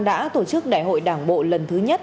đã tổ chức đại hội đảng bộ lần thứ nhất